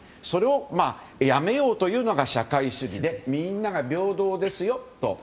それをやめようというのが社会主義でみんなが平等ですよと。